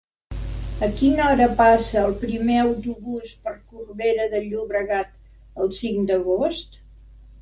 A quina hora passa el primer autobús per Corbera de Llobregat el cinc d'agost?